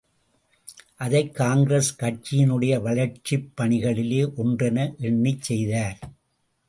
அதைக் காங்கிரஸ் கட்சியினுடைய வளர்ச்சிப் பணிகளிலே ஒன்றென எண்ணிச் செய்தார்.